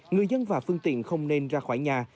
người dân và phương tiện không nên ra khỏi nhà